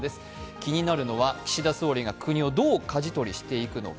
気になるのは、岸田総理が国をどうかじ取りしていくのか。